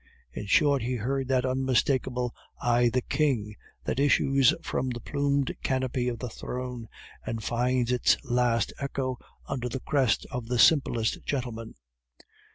In short, he heard that unmistakable I THE KING that issues from the plumed canopy of the throne, and finds its last echo under the crest of the simplest gentleman.